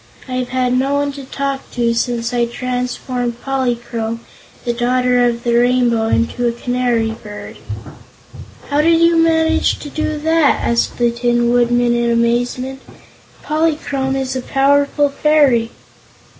I've had no one to talk to since I transformed Polychrome, the Daughter of the Rainbow, into a canary bird." "How did you manage to do that?" asked the Tin Woodman, in amazement. "Polychrome is a powerful fairy!"